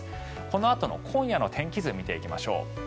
このあとの今夜の天気図見ていきましょう。